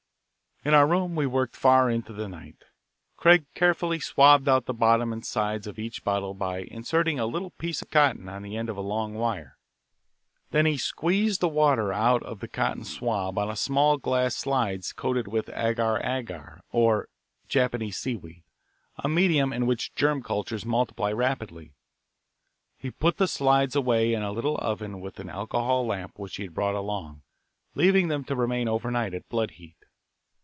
In our room we worked far into the night. Craig carefully swabbed out the bottom and sides of each bottle by inserting a little piece of cotton on the end of a long wire. Then he squeezed the water out of the cotton swab on small glass slides coated with agar agar, or Japanese seaweed, a medium in which germ cultures multiply rapidly. He put the slides away in a little oven with an alcohol lamp which he had brought along, leaving them to remain overnight at blood heat.